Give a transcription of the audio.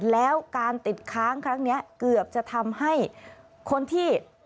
แล้วการติดค้างครั้งนี้เกือบจะทำให้คนที่